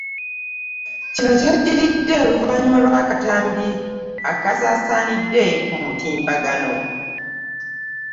Kino kyaddiridde oluvannyuma lw'akatambi akaasaasaanidde ku mutimbagano